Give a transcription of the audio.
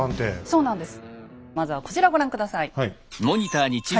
そうなんですよ。